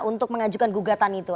untuk mengajukan gugatan itu